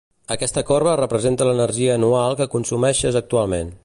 aquesta corba representa l'energia anual que consumeixes actualment